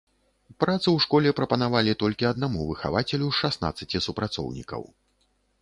Працу ў школе прапанавалі толькі аднаму выхавацелю з шаснаццаці супрацоўнікаў.